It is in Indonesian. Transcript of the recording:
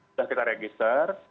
sudah kita register